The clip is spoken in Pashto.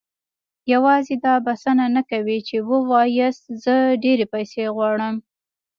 يوازې دا بسنه نه کوي چې وواياست زه ډېرې پيسې غواړم.